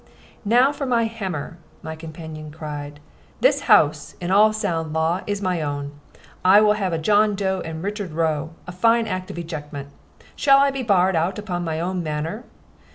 "Now for my hammer," my companion cried. "This house, in all sound law, is my own. I will have a 'John Doe and Richard Roe' a fine action of ejectment. Shall I be barred out upon my own manor?"